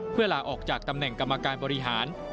เพื่อลาออกจากตำแหน่งกรรมการบริหาร